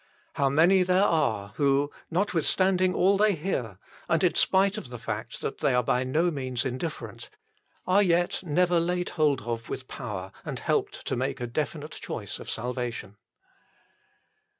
How many there are who, notwithstanding all they hear, and in spite of the fact that they are by no means indifferent, are yet never laid hold of with power and helped to make a definite choice of salvation.